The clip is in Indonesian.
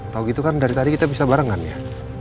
tau gitu kan dari tadi kita bisa barengan ya